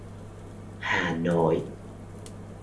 Hà Nội